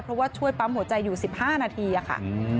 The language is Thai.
เพราะว่าช่วยปั๊มหัวใจอยู่๑๕นาทีค่ะ